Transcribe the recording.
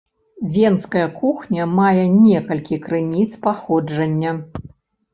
Венская кухня мае некалькі крыніц паходжання.